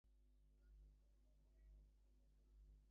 It is now a meeting place for councillors and the Mayor.